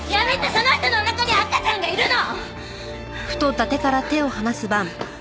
その人のおなかには赤ちゃんがいるの！！